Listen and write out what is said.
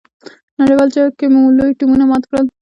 نړیوال جام کې مو لوی ټیمونه مات کړل.